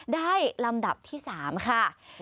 ลำดับที่๓ค่ะ